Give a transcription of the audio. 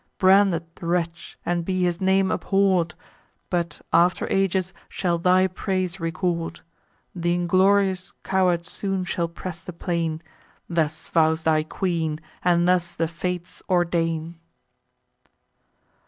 Branded the wretch, and be his name abhorr'd; But after ages shall thy praise record. Th' inglorious coward soon shall press the plain: Thus vows thy queen, and thus the Fates ordain."